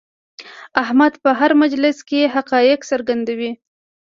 احمد په هر مجلس کې حقایق څرګندوي.